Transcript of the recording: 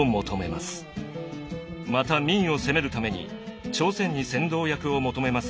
また明を攻めるために朝鮮に先導役を求めますが拒絶されます。